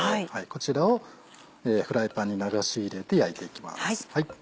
こちらをフライパンに流し入れて焼いていきます。